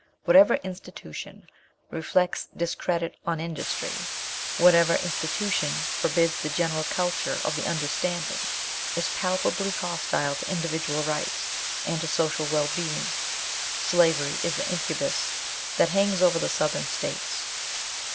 Whatever institution reflects discredit on industry, whatever institution forbids the general culture of the understanding, is palpably hostile to individual rights, and to social well being. Slavery is the incubus that hangs over the Southern States."